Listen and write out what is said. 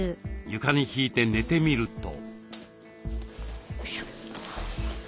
床に敷いて寝てみると。